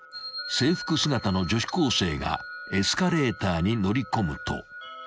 ［制服姿の女子高生がエスカレーターに乗り込むと］